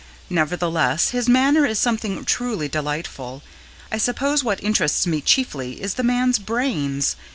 Nevertheless, his manner is something truly delightful. I suppose what interests me chiefly is the man's brains.